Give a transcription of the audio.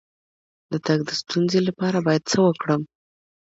د تګ د ستونزې لپاره باید څه وکړم؟